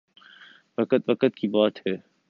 وقت وقت کی بات ہے